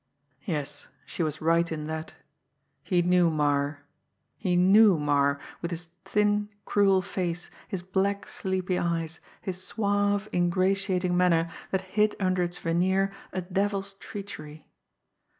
Yes, she was right in that; he knew Marre he knew Marre, with his thin, cruel face, his black, sleepy eyes; his suave, ingratiating manner that hid under its veneer a devil's treachery!